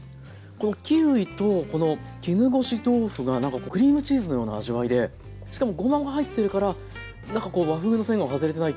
このキウイとこの絹ごし豆腐がなんかクリームチーズのような味わいでしかもごまが入ってるからなんか和風の線は外れてないというか。